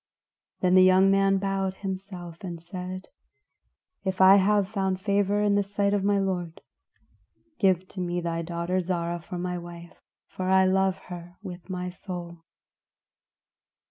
Then the young man bowed himself and said, "If I have found favor in the sight of my lord, give to me thy daughter Zarah for my wife; for I love her with my soul."